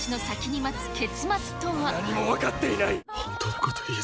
何も分かっていない。